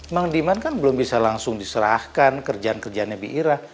emang diman kan belum bisa langsung diserahkan kerjaan kerjaannya biira